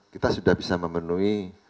kita sudah bisa memenuhi